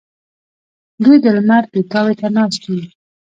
دوی د لمر پیتاوي ته ناست وي.